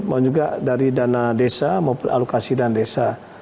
mau juga dari dana desa maupun alokasi dan desa